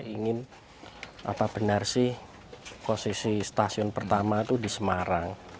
ingin apa benar sih posisi stasiun pertama itu di semarang